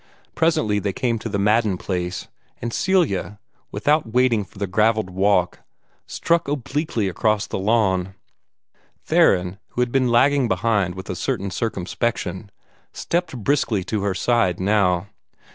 Presently they came to the Madden place, and Celia, without waiting for the gravelled walk, struck obliquely across the lawn. Theron, who had been lagging behind with a certain circumspection, stepped briskly to her side now.